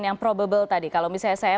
yang probable tadi kalau misalnya saya